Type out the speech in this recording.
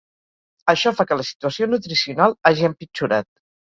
Això fa que la situació nutricional hagi empitjorat.